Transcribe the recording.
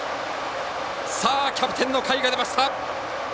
キャプテンの甲斐が出ました！